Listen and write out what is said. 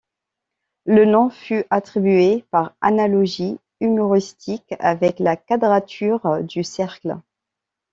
Le nom fut attribué par analogie humoristique avec la quadrature du cercle.